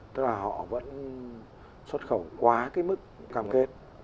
tức là họ vẫn xuất khẩu quá cái mức cam kết